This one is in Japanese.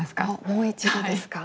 もう一度ですか。